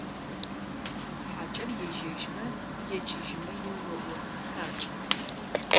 ХьакӀэр ежьэжьмэ, екӀыжьымэ еоӀо: «ХъяркӀэ!».